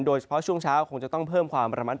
โดยเฉพาะช่วงเช้าคงจะต้องเพิ่มความระมัดระวัง